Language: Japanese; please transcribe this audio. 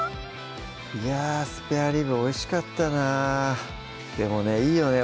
いやスペアリブおいしかったなでもねいいよね